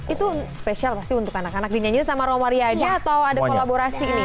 itu spesial pasti untuk anak anak dinyanyi sama romaria aja atau ada kolaborasi nih